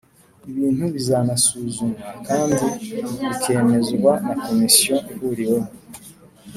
ibintu “bizanasuzumwa kandi bikemezwa na komisiyo ihuriweho